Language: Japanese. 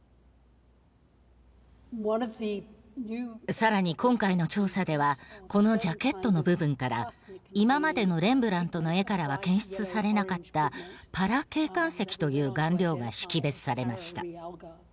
更に今回の調査ではこのジャケットの部分から今までのレンブラントの絵からは検出されなかったパラ鶏冠石という顔料が識別されました。